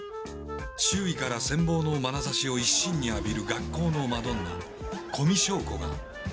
周囲から羨望のまなざしを一身に浴びる学校のマドンナ古見硝子が。